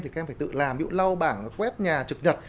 thì các em phải tự làm ví dụ lau bảng quét nhà trực nhật